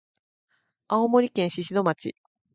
青森県六戸町